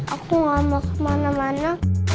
aku gak mau kemana mana